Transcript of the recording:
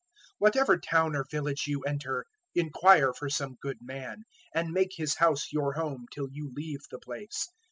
010:011 "Whatever town or village you enter, inquire for some good man; and make his house your home till you leave the place.